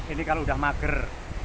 ini kalau sudah mager